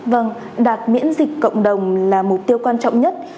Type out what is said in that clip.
vâng đạt miễn dịch cộng đồng là mục tiêu quan trọng nhất